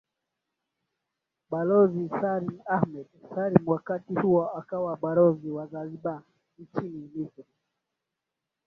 Balozi Salim Ahmed Salim wakati huo akawa Balozi wa Zanzibar nchini Misri